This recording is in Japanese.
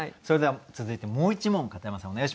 それでは続いてもう一問片山さん